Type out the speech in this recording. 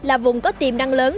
là vùng có tiềm năng lớn